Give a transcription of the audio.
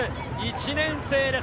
１年生です。